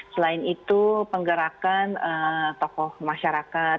selain itu penggerakan tokoh masyarakat